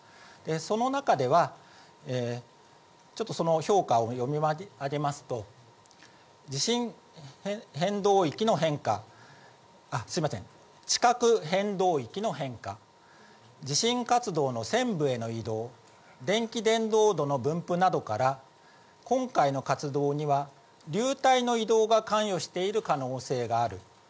その中では、ちょっとその評価を読み上げますと、地震変動域の変化、すみません、地殻変動域の変化、地震活動の浅部への移動、電気伝導度の分布などから、今回の活動には流体の移動が関与している可能性がある。